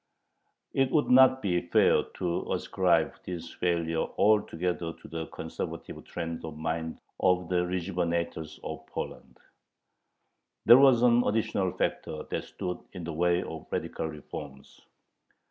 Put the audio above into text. It would not be fair to ascribe this failure altogether to the conservative trend of mind of the rejuvenators of Poland. There was an additional factor that stood in the way of radical reforms.